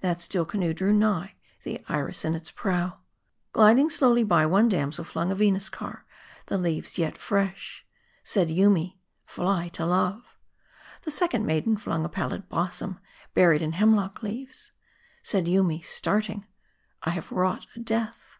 That still canoe drew nigh, the Iris in its prow. Gliding slowly by, one damsel flung a Venus car, the leaves yet fresh. Said Yoomy Fly to love." The second maiden flung a pallid blossom, buried in hemlock leaves. Said Yoomy, starting " I have wrought a death."